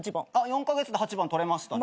４カ月で８番取れましたね。